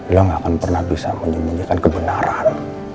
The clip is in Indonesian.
lo gak akan pernah bisa menyembunyikan kebenaran